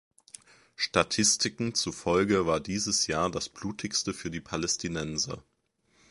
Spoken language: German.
Statistiken zufolge war dieses Jahr das blutigste für die Palästinenser.